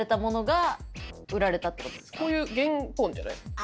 こういう原本じゃないですか？